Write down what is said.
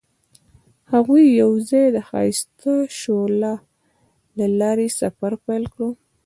هغوی یوځای د ښایسته شعله له لارې سفر پیل کړ.